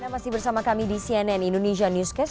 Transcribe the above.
anda masih bersama kami di cnn indonesia newscast